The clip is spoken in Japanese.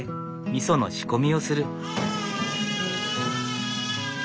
みその仕込みをする。